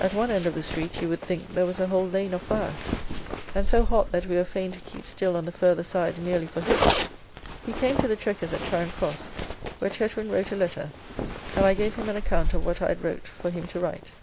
At one end of the street you would think there was a whole lane of fire, and so hot that we were fain to keep still on the further side merely for heat. We came to the Chequers at Charing Cross, where Chetwind wrote a letter and I gave him an account of what I had wrote for him to write.